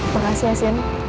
makasih ya sen